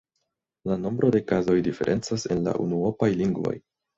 La nombro de kazoj diferencas en la unuopaj lingvoj.